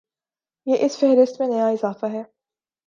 یہ اس فہرست میں نیا اضافہ ہے۔